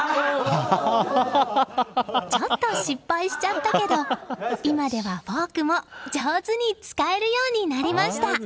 ちょっと失敗しちゃったけど今ではフォークも上手に使えるようになりました。